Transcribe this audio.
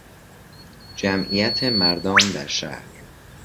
جمعیت مردان در شهر